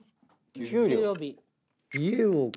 給料。